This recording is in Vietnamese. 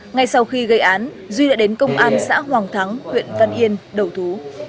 ngay sau khi gây án duy đã đến công an xã hoàng thắng huyện văn yên đầu thú